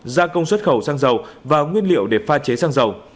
gia công xuất khẩu xăng dầu và nguyên liệu để pha chế xăng dầu